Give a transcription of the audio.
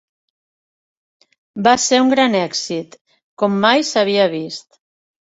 Va ser un gran èxit, com mai s'havia vist.